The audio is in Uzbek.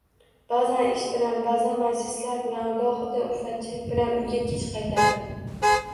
Ba’zan ish bilan, ba’zan majlislar bilan, gohida ulfatchilik bilan uyga kech qaytardim.